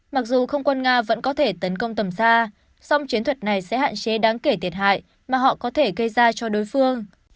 mặc dù không quân nga vẫn có thể tấn công tầm xa song chiến thuật này sẽ hạn chế đáng kể thiệt hại mà họ có thể gây ra cho đối phương